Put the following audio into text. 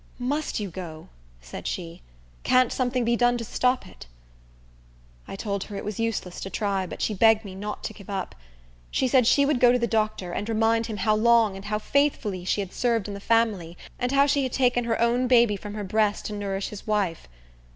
"Must you go?" said she. "Can't something be done to stop it?" I told her it was useless to try; but she begged me not to give up. She said she would go to the doctor, and remind him how long and how faithfully she had served in the family, and how she had taken her own baby from her breast to nourish his wife.